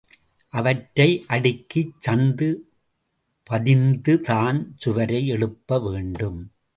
அவற்றை அடுக்கிச் சந்து பதிந்துதான் சுவரை எழுப்ப வேண்டும்.